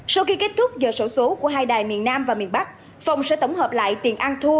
sau khi kết thúc giờ sổ số của hai đài miền nam và miền bắc phòng sẽ tổng hợp lại tiền ăn thua